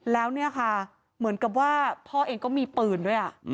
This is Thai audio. แล้วเหมือนกับว่าพ่อเองก็มีปืนด้วย